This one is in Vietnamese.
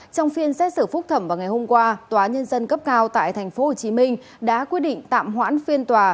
trong phiên xét xử phúc thẩm vào ngày hôm qua tòa nhân dân cấp cao tại tp hcm đã quyết định tạm hoãn phiên tòa